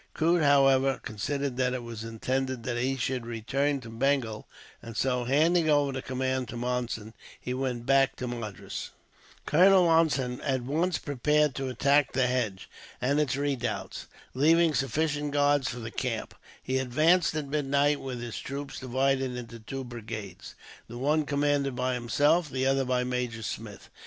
Coote, however, considered that it was intended that he should return to Bengal, and so handing over the command to Monson, he went back to Madras. Colonel Monson at once prepared to attack the hedge, and its redoubts. Leaving sufficient guards for the camp, he advanced at midnight, with his troops divided into two brigades, the one commanded by himself, the other by Major Smith.